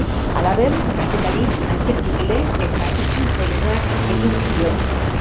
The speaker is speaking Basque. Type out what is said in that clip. Halaber, kazetari-, antzerkigile- eta itzultzaile-lanak egin zituen.